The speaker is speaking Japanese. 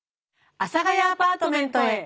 阿佐ヶ谷アパートメントへ。